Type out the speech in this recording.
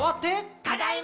ただいま！